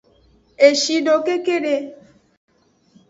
Eshiedo kekede.